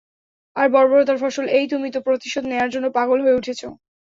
আর বর্বরতার ফসল এই তুমি তো প্রতিশোধ নেয়ার জন্য পাগল হয়ে উঠেছ।